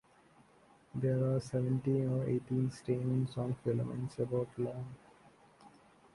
There are seventeen or eighteen stamens on filaments about long.